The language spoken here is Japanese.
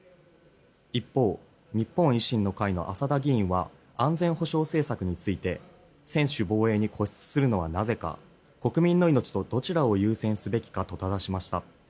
一方、日本維新の会の浅田議員は安全保障政策について専守防衛に固執するのはなぜか国民の命とどちらを優先すべきかとただしました。